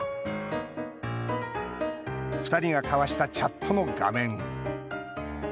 ２人が交わしたチャットの画面。